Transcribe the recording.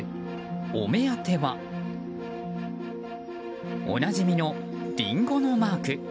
お目当てはおなじみのリンゴのマーク。